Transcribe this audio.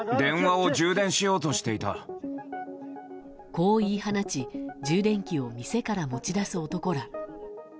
こう言い放ち充電器を店から持ち出す男ら。